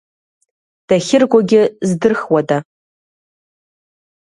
Дахьыргогьы здырхуада!